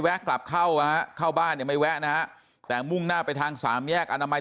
แวะกลับเข้าเข้าบ้านไม่แวะนะแต่มุ่งหน้าไปทาง๓แยกอนามัย